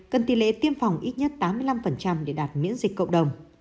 cần tỷ lệ tiêm phòng ít nhất tám mươi năm để đạt miễn dịch cộng đồng